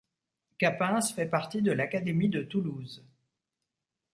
Capens fait partie de l'académie de Toulouse.